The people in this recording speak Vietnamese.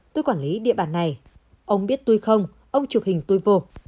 tôi quản lý địa bàn này ông biết tôi không ông chụp hình tôi vô